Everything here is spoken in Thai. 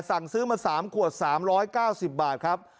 สั่งซื้อมา๓ขวด๓๙๐บาทครับ